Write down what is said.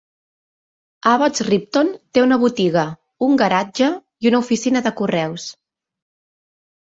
Abbots Ripton té una botiga, un garatge i una oficina de correus.